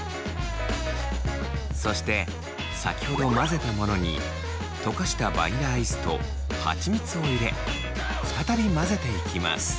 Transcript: そして先ほど混ぜたものに溶かしたバニラアイスとハチミツを入れ再び混ぜていきます。